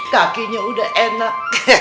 kakinya udah enak